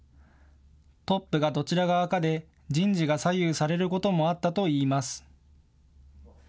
トップがどちら側かで人事が左右されることもあったといいます。